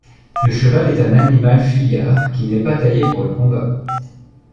Le cheval est un animal fuyard qui n'est pas taillé pour le combat.